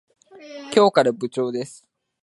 今日から部長です。